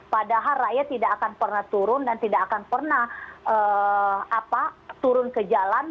padahal rakyat tidak akan pernah turun dan tidak akan pernah turun ke jalan